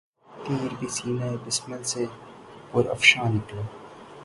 تیر بھی سینۂ بسمل سے پرافشاں نکلا